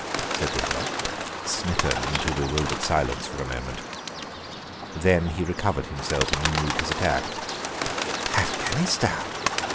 said the other, smitten into bewildered silence for a moment. Then he recovered himself and renewed his attack. "Afghanistan.